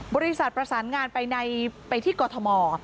บริษัทประสานงานไปที่กรทม